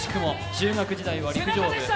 中学時代は陸上部。